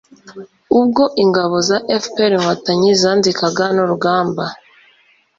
Ubwo Ingabo za FPR Inkotanyi zanzikaga n'urugamba